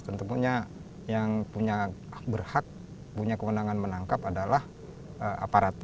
tentunya yang punya berhak punya kewenangan menangkap adalah aparat